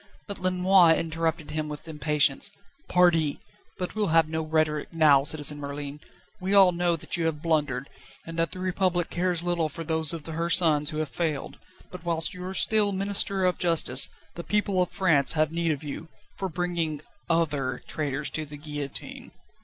But Lenoir interrupted him with impatience. "_Pardi!_but we'll have no rhetoric now, Citizen Merlin. We all know that you have blundered, and that the Republic cares little for those of her sons who have failed, but whilst you are still Minister of Justice the people of France have need of you for bringing other traitors to the guillotine."